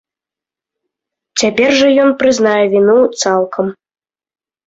Цяпер жа ён прызнае віну цалкам.